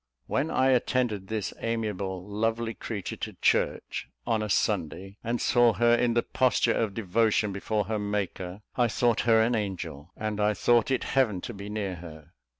When I attended this amiable, lovely creature to church on a Sunday, and saw her in the posture of devotion before her Maker, I thought her an angel, and I thought it heaven to be near her.